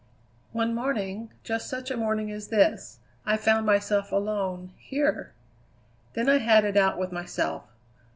"One morning, just such a morning as this, I found myself alone here! Then I had it out with myself.